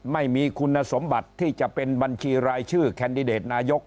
ไม่มีคุณสมบัติที่จะเป็นบัญชีรายชื่อแคนดิเดตนายก